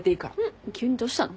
急にどうしたの？